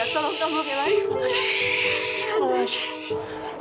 tolong kamu berlain